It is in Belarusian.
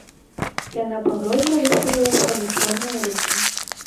Яна пагрозна выставіла свае чорныя рукі.